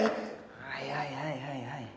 はいはいはいはいはい。